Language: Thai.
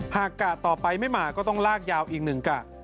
กะต่อไปไม่มาก็ต้องลากยาวอีกหนึ่งกะ